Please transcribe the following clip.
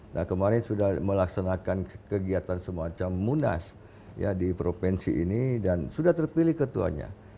nah kemarin sudah melaksanakan kegiatan semacam munas ya di provinsi ini dan sudah terpilih ketuanya